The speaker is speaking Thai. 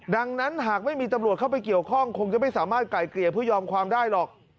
ดังนั้นหากไม่มีตำรวจเข้าไปเกี่ยวข้องคงจะไม่สามารถไกลเกลี่ยเพื่อยอมความได้หรอก